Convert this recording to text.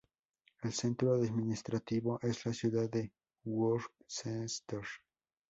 El centro administrativo es la ciudad de Worcester.